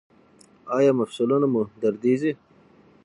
ایا مفصلونه مو دردیږي؟